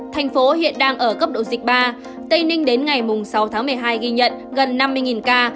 thành phố hiện đang ở cấp độ dịch ba tây ninh đến ngày sáu tháng một mươi hai ghi nhận gần năm mươi ca